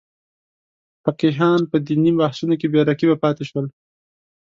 فقیهان په دیني بحثونو کې بې رقیبه پاتې شول.